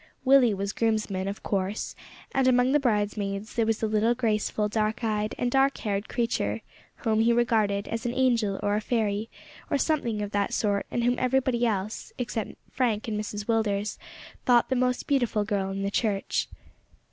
Willie was groomsman, of course, and among the bridesmaids there was a little graceful, dark eyed and dark haired creature, whom he regarded as an angel or a fairy, or something of that sort, and whom everybody else, except Frank and Mrs Willders, thought the most beautiful girl in the church.